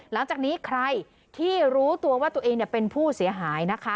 หลังจากนี้ใครที่รู้ตัวว่าตัวเองเป็นผู้เสียหายนะคะ